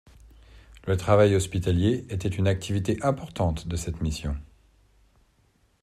Le travail hospitalier était une activité importante de cette mission.